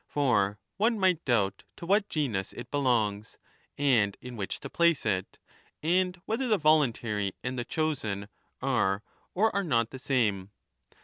For one might doubt to what genus it 20 belongs and in \vhich to place it, and whether the voluntary and the chosen are or are not the same.